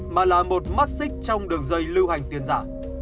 mà là một mắt xích trong đường dây lưu hành tiền giả